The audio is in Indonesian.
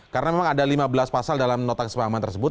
karena memang ada lima belas pasal dalam nota kesepakaman tersebut